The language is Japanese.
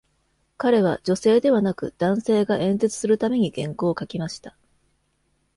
彼は女性ではなく男性が演説するために原稿を書きました。